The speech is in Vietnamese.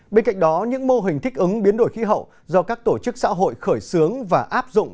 bên cạnh đó những mô hình thích ứng biến đổi khí hậu do các tổ chức xã hội khởi xướng và áp dụng